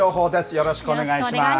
よろしくお願いします。